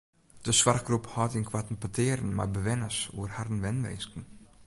De soarchgroep hâldt ynkoarten petearen mei bewenners oer harren wenwinsken.